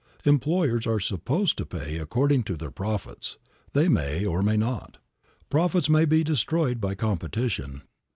Employers are supposed to pay according to their profits. They may or may not. Profits may be destroyed by competition.